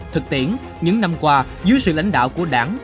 thực tiễn những năm qua dưới sự lãnh đạo của đảng